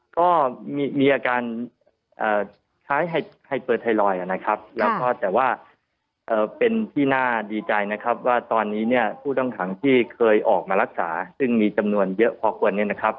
ก็มีอาการคล้ายไฮเปอร์ไทรอยด์นะครับแล้วก็แต่ว่าเป็นที่น่าดีใจนะครับว่าตอนนี้เนี่ยผู้ต้องขังที่เคยออกมารักษาซึ่งมีจำนวนเยอะพอควรเนี่ยนะครับ